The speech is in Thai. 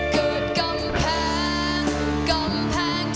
เพียรี่ยมในให้ลูกไทย